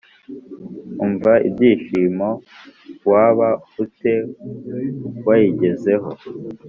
Umva ibyishimo waba u te wayigezeho